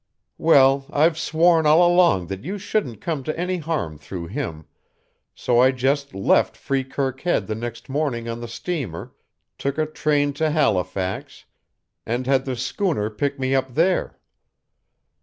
"Well, I've sworn all along that you shouldn't come to any harm through him, so I just left Freekirk Head the next morning on the steamer, took a train to Halifax, and had the schooner pick me up there.